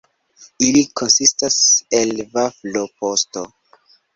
Ili konsistas el vaflo-pasto.